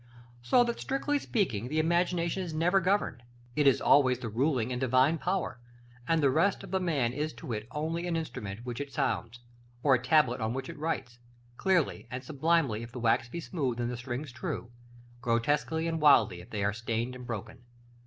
So that, strictly speaking, the imagination is never governed; it is always the ruling and Divine power: and the rest of the man is to it only as an instrument which it sounds, or a tablet on which it writes; clearly and sublimely if the wax be smooth and the strings true, grotesquely and wildly if they are stained and broken.